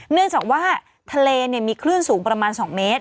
เนื่องจากว่าทะเลมีคลื่นสูงประมาณ๒เมตร